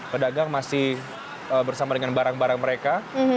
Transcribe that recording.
pedagang masih bersama dengan barang barang mereka